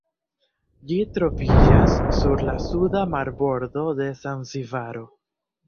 Ĝi troviĝas sur la suda marbordo de Zanzibaro.